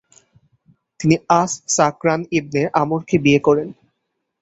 তিনি আস-সাকরান ইবনে আমরকে বিয়ে করেন।